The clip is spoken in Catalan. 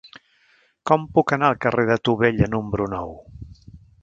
Com puc anar al carrer de Tubella número nou?